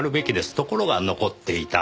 ところが残っていた。